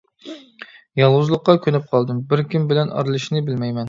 يالغۇزلۇققا كۆنۈپ قالدىم، بىر كىم بىلەن ئارىلىشىشنى بىلمەيمەن.